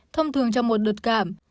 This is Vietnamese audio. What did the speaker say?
thông thường trong một đợt cảm